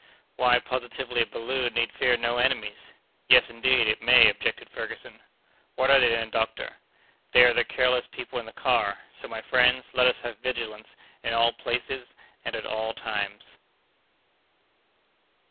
"Why, positively, a balloon need fear no enemies!" "Yes, indeed, it may!" objected Ferguson. "What are they, then, doctor?" "They are the careless people in the car! So, my friends, let us have vigilance in all places and at all times."